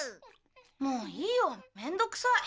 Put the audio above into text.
もういいよ面倒くさい。